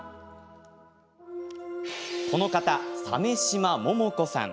このお方、鮫島百桃子さん。